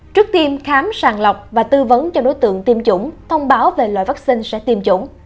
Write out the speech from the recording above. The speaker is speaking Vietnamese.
trước tiêm khám sàng lọc và tư vấn cho đối tượng tiêm chủng thông báo về loại vaccine sẽ tiêm chủng